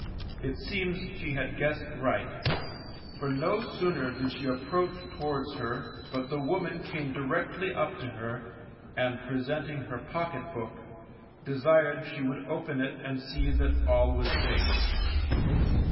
It seems she had guessed right, for no sooner did she approach towards her but the woman came directly up to her, and presenting her pocket book, desired she would open it and see that all was safe.